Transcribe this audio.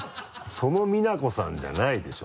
その美奈子さんじゃないでしょ